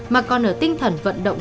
mà còn ở tinh thần vận động